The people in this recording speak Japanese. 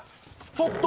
ちょっと！